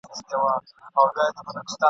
په هرباب کي توپانونه !.